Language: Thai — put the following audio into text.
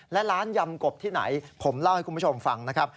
และร้านยำกบที่ไหนผมเล่าให้คุณผู้ชมฟังนะครับ